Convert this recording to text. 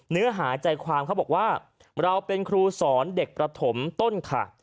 เนื้อหาใจความเขาบอกว่าเราเป็นครูสอนเด็กประถมต้นค่ะ